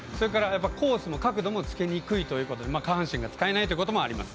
コースの角度もつけにくいということで下半身が使えないということもあります。